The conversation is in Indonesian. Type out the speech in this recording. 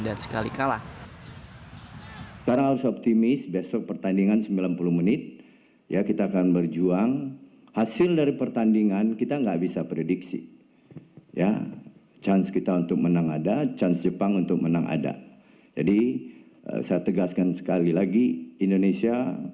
dan sekali kelima di pemuda pemuda indonesia